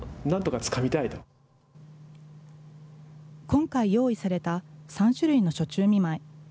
今回用意された３種類の暑中見舞い。